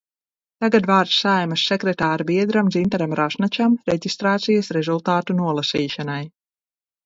Tagad vārds Saeimas sekretāra biedram Dzintaram Rasnačam reģistrācijas rezultātu nolasīšanai.